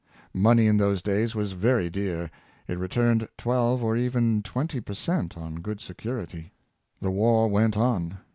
Money in those days was very dear; it returned twelve or even twenty per cent, on good security. The war went on.